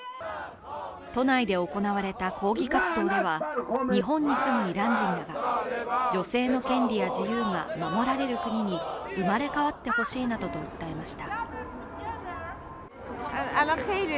都内で行われた抗議活動では日本に住むイラン人らが女性の権利や自由が守られる国に生まれ変わってほしいなどと訴えました。